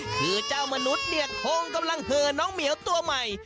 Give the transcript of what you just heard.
คือเจ้ามนุษย์เนี่ยคงกำลังเหอน้องเหมียวตัวใหม่